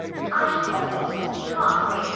I shall call it Heartbreak House.